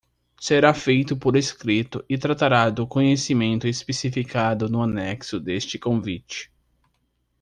Será feito por escrito e tratará do conhecimento especificado no anexo deste convite.